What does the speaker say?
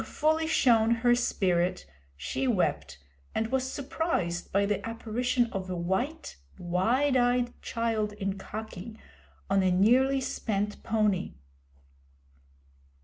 Having fully shown her spirit, she wept, and was surprised by the apparition of a white, wide eyed child in khaki, on a nearly spent pony.